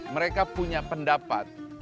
mereka punya pendapat